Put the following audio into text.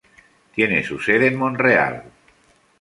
Tiene su sede en Montreal.